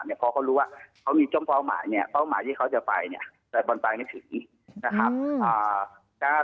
เพราะเขารู้ว่าเขามีป้าวหมายป้าวหมายที่เขาจะไปแต่บนไปไม่ถึง